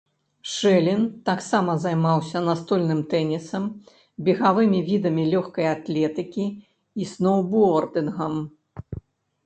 Шэлін таксама займаўся настольным тэннісам, бегавымі відамі лёгкай атлетыкі і сноўбордынгам.